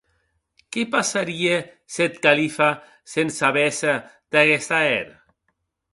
Qué passarie s’eth califa se’n sabesse d’aguest ahèr?